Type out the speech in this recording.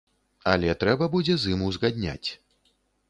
Але трэба будзе з ім узгадняць.